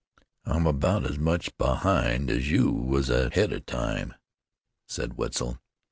"I'm about as much behind as you was ahead of time," said Wetzel.